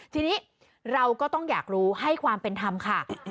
ทีนี้เราก็ต้องอยากรู้ให้ความเป็นธรรมค่ะ